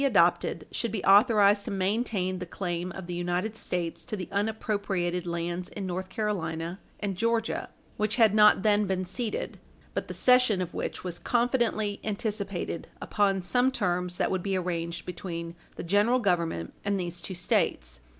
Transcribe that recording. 436 adopted should be authorized to maintain the claim of the United States to the unappropriated lands in North Carolina and Georgia, which had not then been ceded but the cession of which was confidently anticipated upon some terms that would be arranged between the General Government and these two States.